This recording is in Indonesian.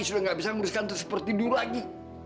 sudah gak bisa ngurus kantor seperti dulu lagi